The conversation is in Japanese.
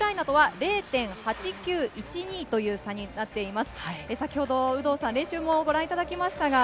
ウクライナとは０．８９１２という差になっています。